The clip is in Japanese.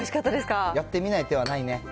やってみない手はないね。